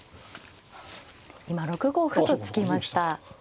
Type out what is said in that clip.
今６五歩と突きました。